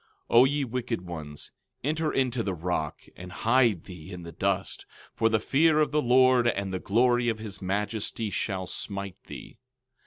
12:10 O ye wicked ones, enter into the rock, and hide thee in the dust, for the fear of the Lord and the glory of his majesty shall smite thee.